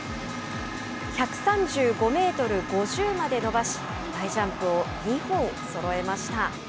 １３５メートル５０まで伸ばし、大ジャンプを２本そろえました。